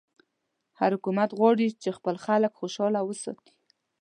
هر حکومت غواړي چې خپل خلک خوشحاله وساتي.